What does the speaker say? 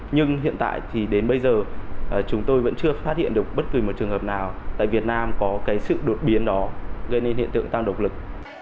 nhưng hiện tại thì đến bây giờ chúng tôi vẫn chưa phát hiện được bất kỳ một trường hợp nào tại việt nam có cái sự đột biến đó gây nên hiện tượng tăng độc lực